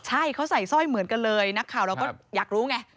ใช่เขาใส่สร้อยเหมือนกันเลยนักข่าวเราก็อยากรู้ไง